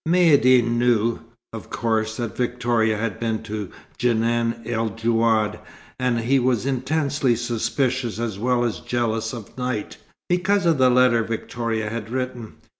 Maïeddine knew, of course, that Victoria had been to the Djenan el Djouad, and he was intensely suspicious as well as jealous of Knight, because of the letter Victoria had written.